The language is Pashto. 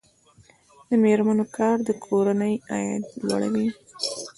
د میرمنو کار د کورنۍ عاید لوړوي.